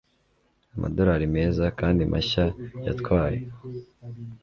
amadolari meza kandi mashya yatwaye